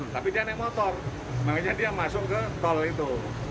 tapi dia naik motor makanya dia masuk ke tol itu